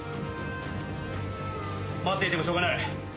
待っていてもしょうがない。